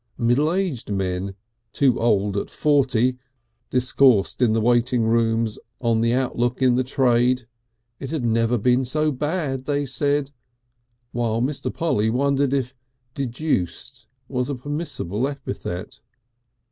Middle aged men, "too Old at Forty," discoursed in the waiting rooms on the outlook in the trade; it had never been so bad, they said, while Mr. Polly wondered if "De juiced" was a permissible epithet.